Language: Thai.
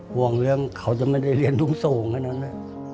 ห่วงเรื่องเขาจะไม่ได้เรียนรุ่งสูงขนาดนั้นนะ